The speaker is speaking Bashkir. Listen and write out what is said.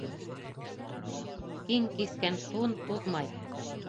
Киң киҫкән тун туҙмай.